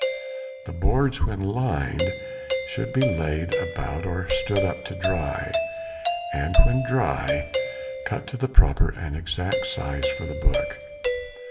The boards when lined should be laid about or stood up to dry, and when dry, cut to the proper and exact size for the book.